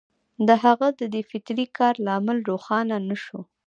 د هغه د دې فطري کار لامل روښانه نه شو